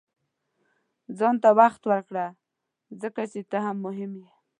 • ځان ته وخت ورکړه، ځکه چې ته هم مهم یې.